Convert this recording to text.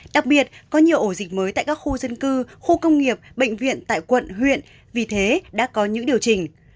đặc biệt có nhiều ổ dịch mới tại các khu dân cư khu công nghiệp bệnh viện tại quận huyện vì thế đã có những điều chỉnh